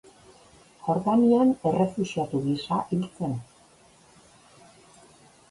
Jordanian errefuxiatu gisa hil zen.